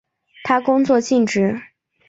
他工作尽职。